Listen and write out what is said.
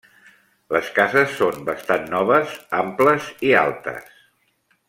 Les cases són bastant noves, amples i altes.